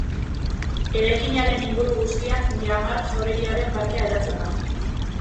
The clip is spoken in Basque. Eraikinaren inguru guztian Miramar jauregiaren parkea hedatzen da.